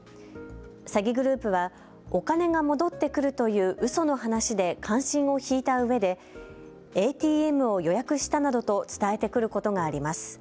詐欺グループはお金が戻ってくるといううその話で関心を引いたうえでＡＴＭを予約したなどと伝えてくることがあります。